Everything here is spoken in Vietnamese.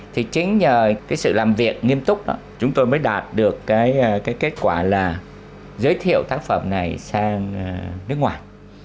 thì chính nhờ cái sự làm việc nghiêm túc đó chúng tôi mới đạt được cái kết quả là giới thiệu tác phẩm này sang nước ngoài